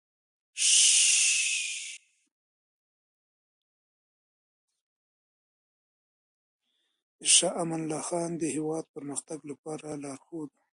شاه امان الله خان د هېواد د پرمختګ لپاره لارښود و.